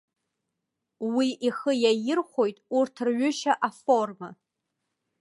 Уи ихы иаирхәоит урҭ рҩышьа аформа.